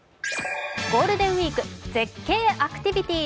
「ゴールデンウイーク絶景アクティビティ」。